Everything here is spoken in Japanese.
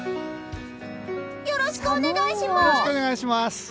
よろしくお願いします！